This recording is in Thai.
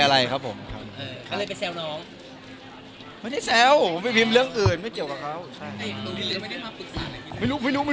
แบบเขาเนี่ยไปรีบเลยได้มาปรึกษาอะไรพี่พี่หนูมันไม่